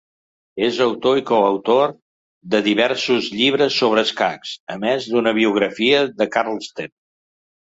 És autor i coautor de diversos llibres sobre escacs, a més d'una biografia de Carlsen.